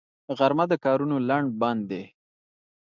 غرمه د کارونو لنډ بند دی